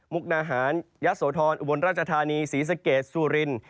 มุกนาหารยะโสธรอุบวนราชธานีศรีสเกษสู่ริน